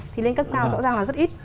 thì lên cấp nào rõ ràng là rất ít